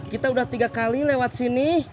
kita udah tiga kali lewat sini